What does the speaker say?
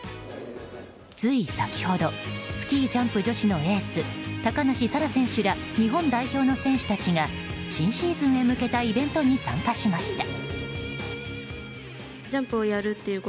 つい先ほどスキージャンプ女子のエース高梨沙羅選手ら日本代表の選手らが新シーズンへ向けたイベントに参加しました。